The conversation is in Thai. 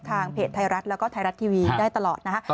ทางเพจไทยรัฐแล้วก็ไทยรัฐทีวีได้ตลอดนะฮะ